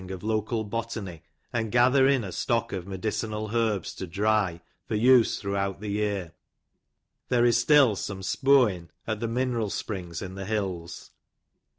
43 of local botany, and gather in a stock of medicinal herbs to dry, for use throughout the year. There is still some " spo'in"' at the mineral springs in the hills.